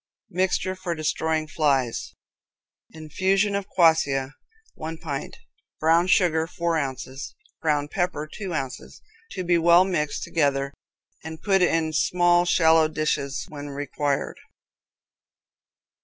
Mixture for Destroying Flies Infusion of quassia, one pint; brown sugar, four ounces; ground pepper, two ounces. To be well mixed together, and put in small, shallow dishes when required.